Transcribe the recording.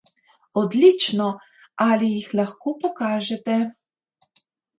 Odlično, ali jih lahko pokažete?